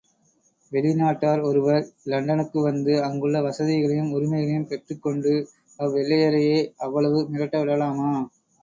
வெளிநாட்டார் ஒருவர், இலண்டனுக்கு வந்து அங்குள்ள வசதிகளையும் உரிமைகளையும் பெற்றுக்கொண்டு, அவ் வெள்ளையரையே அவ்வளவு மிரட்ட விடலாமா?